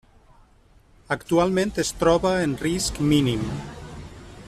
Actualment, es troba en risc mínim.